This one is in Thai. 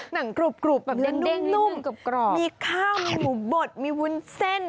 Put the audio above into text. หนังกรุบแบบเด้งนุ่มกรอบมีข้าวมีหมูบดมีวุ้นเส้น